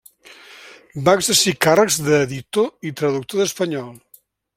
Va exercir càrrecs d'editor i traductor d'espanyol.